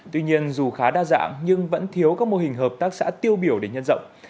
tuy nhiên dù khá đa dạng nhưng vẫn thiếu các mô hình hợp tác xã tiêu biểu để nhân rộng